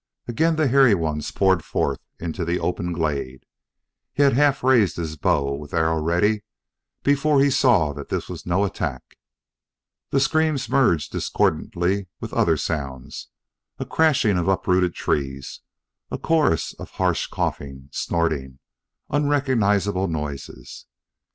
Again the hairy ones poured forth into the open glade. He had half raised his bow, with arrow ready, before he saw that this was no attack. The screams merged discordantly with other sounds a crashing of uprooted trees a chorus of harsh coughing snorting unrecognizable noises.